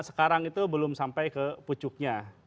sekarang itu belum sampai ke pucuknya